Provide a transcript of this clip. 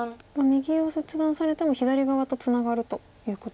右を切断されても左側とツナがるということですか。